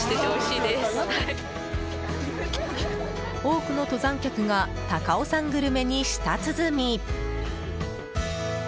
多くの登山客が高尾山グルメに舌鼓。